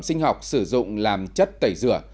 sinh học sử dụng làm chất tẩy rửa